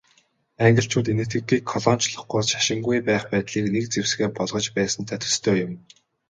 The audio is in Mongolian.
Англичууд Энэтхэгийг колоничлохгүй, шашингүй байх байдлыг нэг зэвсгээ болгож байсантай төстэй юм.